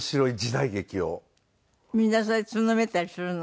みんなそれでつんのめったりするの？